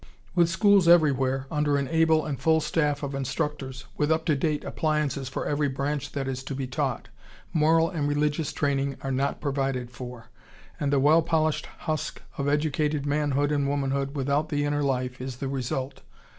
With schools everywhere, under an able and full staff of instructors, with up to date appliances for every branch that is to be taught, moral and religious training are not provided for, and the well polished husk of educated manhood and womanhood without the inner life is the result.